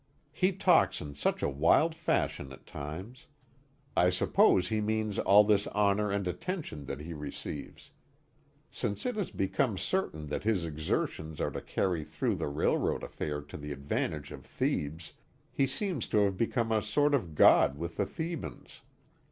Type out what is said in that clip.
He talks in such a wild fashion at times. I suppose he means all this honor and attention that he receives. Since it has become certain that his exertions are to carry through the railroad affair to the advantage of Thebes, he seems to have become a sort of god with the Thebans.